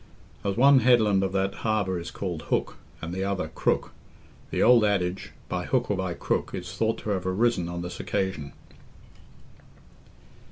As one headland of that harbour is called Hook, and the other Crook, the old adage, "by hook or by crook," is thought to have arisen on this occasion.